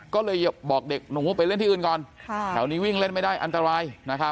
ก็เลยบอกเด็กหนูว่าไปเล่นที่อื่นก่อนแถวนี้วิ่งเล่นไม่ได้อันตราย